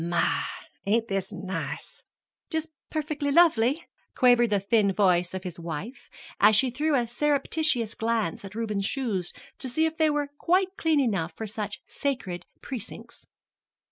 "My! ain't this nice!" "Just perfectly lovely," quavered the thin voice of his wife, as she threw a surreptitious glance at Reuben's shoes to see if they were quite clean enough for such sacred precincts.